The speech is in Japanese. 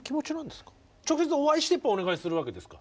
直接お会いしてやっぱお願いするわけですか？